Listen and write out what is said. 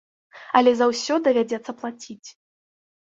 Але за ўсё давядзецца плаціць.